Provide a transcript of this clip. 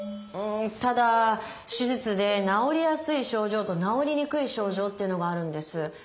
うんただ手術で治りやすい症状と治りにくい症状っていうのがあるんです。